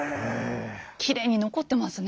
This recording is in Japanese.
きれいに残ってますね。